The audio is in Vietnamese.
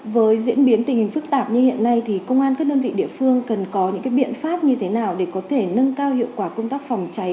với diễn biến tình hình phức tạp như hiện nay thì công an các đơn vị địa phương cần có những biện pháp như thế nào để có thể nâng cao hiệu quả công tác phòng cháy